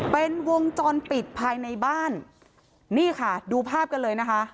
เป็นวงจรปิดภายในบ้านนี่ค่ะดูภาพกันเลยนะคะ